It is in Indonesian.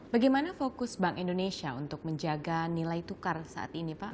bagaimana fokus bank indonesia untuk menjaga nilai tukar saat ini pak